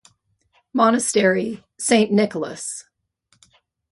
Monastery "Saint Nicholas".